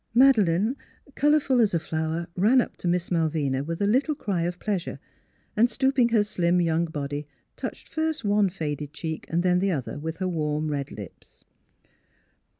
"" Madeleine, colorful as a flower, ran up to Miss Malvina with a little cry of pleasure, and stooping her slim young body, touched first one faded cheek then the other with her warm, red lips.